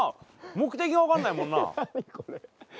目的が分かんないもんな